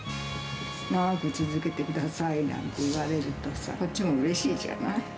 長く続けてくださいなんて言われるとさ、こっちもうれしいじゃない。